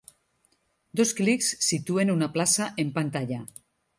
Dos clics situen una plaça en pantalla.